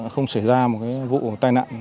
không xảy ra vụ tàn nạn